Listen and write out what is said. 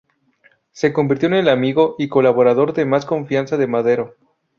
Se convirtió en el amigo y colaborador de más confianza de Madero.